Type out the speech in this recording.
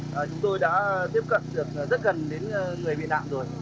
và chúng tôi đã tiếp cận được rất gần đến người bị nạn rồi